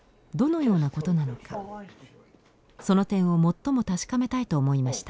その点を最も確かめたいと思いました。